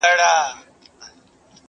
د وخت څپه هر څه بدلوي